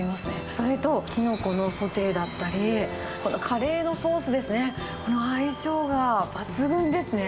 それと、キノコのソテーだったり、このカレーのソースですね、この相性が抜群ですね。